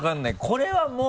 これはもう。